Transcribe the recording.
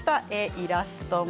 イラストも。